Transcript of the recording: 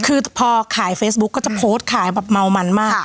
คือพอขายเฟซบุ๊กก็จะโพสต์ขายแบบเมามันมาก